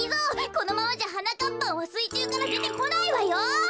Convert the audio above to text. このままじゃはなかっぱんはすいちゅうからでてこないわよ。